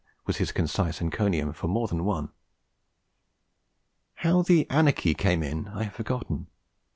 was his concise encomium for more than one. How the anarchy came in I have forgotten.